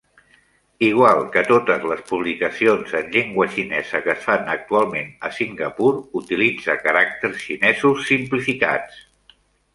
Igual que totes les publicacions en llengua xinesa que es fan actualment a Singapur, utilitza caràcters xinesos simplificats.